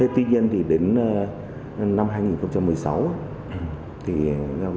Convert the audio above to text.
tuy nhiên đến năm hai nghìn một mươi sáu